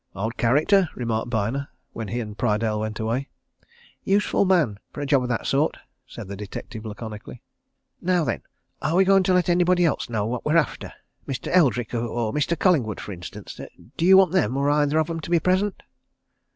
"Odd character!" remarked Byner, when he and Prydale went away. "Useful man for a job of that sort," said the detective laconically. "Now then are we going to let anybody else know what we're after Mr. Eldrick or Mr. Collingwood, for instance? Do you want them, or either of them, to be present?"